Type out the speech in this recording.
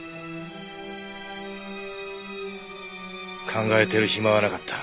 考えてる暇はなかった。